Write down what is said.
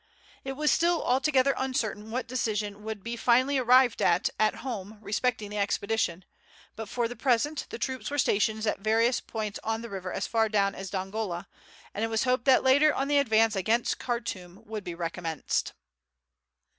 It was still altogether uncertain what decision would be finally arrived at at home respecting the expedition, but for the present the troops were stationed at various points on the river as far down as Dongola, and it was hoped that later on the advance against Khartoum would be recommenced.